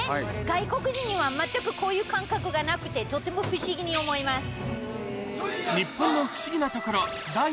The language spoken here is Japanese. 外国人には全くこういう感覚がなくてとても不思議に思います。